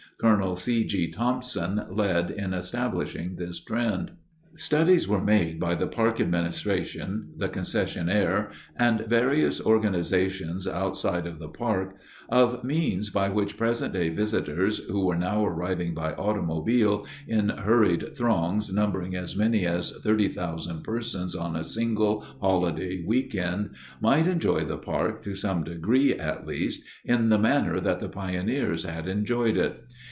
Col. C. G. Thomson led in establishing this trend. Studies were made by the park administration, the concessionaire, and various organizations outside of the park of means by which present day visitors, who were now arriving by automobile in hurried throngs numbering as many as 30,000 persons on a single holiday week end, might enjoy the park to some degree at least in the manner that the pioneers had enjoyed it.